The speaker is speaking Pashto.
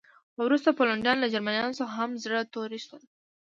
خو وروسته پولنډیان له جرمنانو څخه هم زړه توري شول